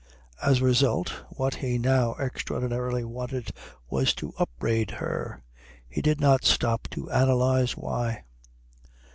As a result what he now extraordinarily wanted was to upbraid her. He did not stop to analyse why.